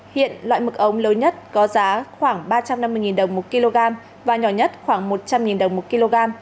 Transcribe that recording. hiện loại mực ống lớn nhất có giá khoảng ba trăm năm mươi đồng một kg và nhỏ nhất khoảng một trăm linh đồng một kg